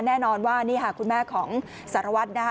แน่นอนว่านี่ค่ะคุณแม่ของสารวัตรนะคะ